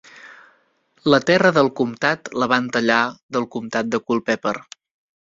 La terra del comtat la van tallar del comtat de Culpeper.